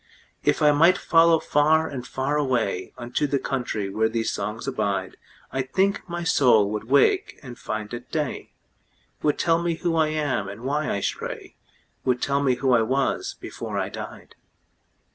If I might follow far and far awayUnto the country where these songs abide,I think my soul would wake and find it day, Would tell me who I am, and why I stray,—Would tell me who I was before I died.